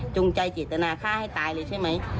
จงใจเจตนาฆ่าให้ตายเลยใช่ไหม